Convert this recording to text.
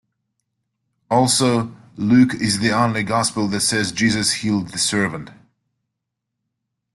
Also, Luke is the only gospel that says Jesus healed the servant.